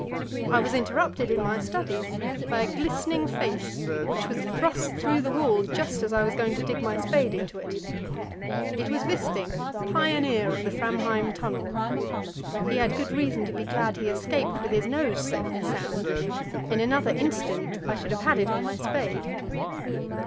I was interrupted in my studies by a glistening face, which was thrust through the wall just as I was going to dig my spade into it. It was Wisting, pioneer of the Framheim tunnel. He had good reason to be glad he escaped with his nose safe and sound. In another instant I should have had it on my spade.